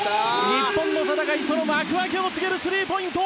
日本の戦いの幕開けを告げるスリーポイント！